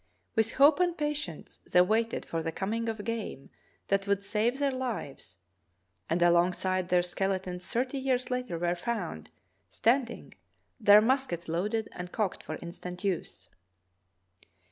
With hope and patience they waited for the coming of game that would save their lives, and alongside their skeletons thirty years later were found, standing, their muskets loaded and cocked for instant use.